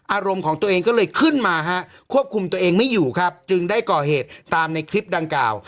อารมณ์ของตัวเองก็เลยขึ้นมาฮะควบคุมตัวเองไม่อยู่ครับจึงได้ก่อเหตุตามในคลิปดังกล่าว